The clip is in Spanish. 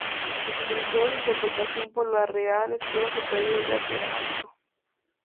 Se licenció en Interpretación por la Real Escuela Superior de Arte Dramático.